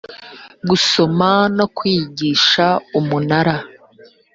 gusoma no kwiyigisha umunara